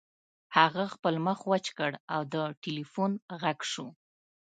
هغه خپل مخ وچ کړ او د ټیلیفون غږ شو